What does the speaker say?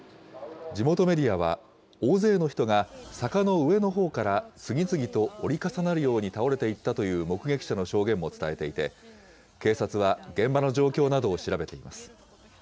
地元メディアは、大勢の人が坂の上のほうから次々と折り重なるように倒れていったという目撃者の証言も伝えていて、警察は現場の状況などを調べています。